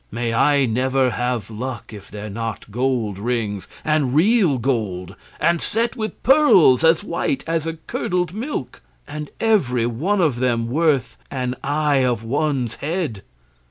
May I never have luck if they're not gold rings, and real gold, and set with pearls as white as a curdled milk, and every one of them worth an eye of one's head!